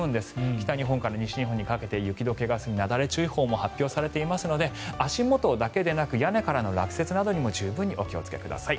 北日本から西日本にかけて雪解けが進み、なだれ注意報も発表されていますので足元だけじゃなくて屋根からの落雪もご注意ください。